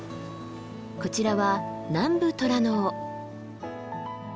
こちらはナンブトラノオ。